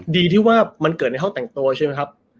ดีที่ว่ามันเกิดในห้องแต่งตัวใช่ไหมครับ